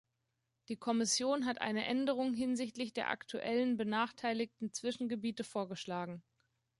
Die Kommission hat eine Änderung hinsichtlich der aktuellen benachteiligten Zwischengebiete vorgeschlagen.